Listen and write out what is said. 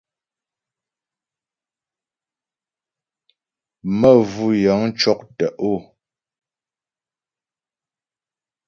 Məvʉ́ yə̂ŋ cɔ́k tə̀'ó.